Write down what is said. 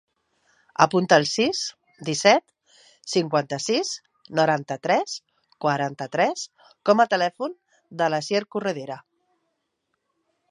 Apunta el sis, disset, cinquanta-sis, noranta-tres, quaranta-tres com a telèfon de l'Asier Corredera.